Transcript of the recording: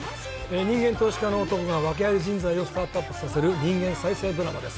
人間投資家の男が訳アリ人材をスタートアップさせる人間再生ドラマです。